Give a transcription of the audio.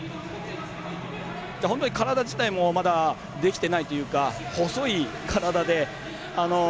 本当に体自体もまだできていないというか細い体で。